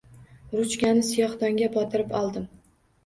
Ruchkani siyohdonga botirib oldim.